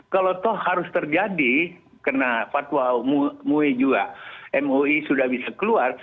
kalau toh harus terjadi karena fatwa mui juga mui sudah bisa keluar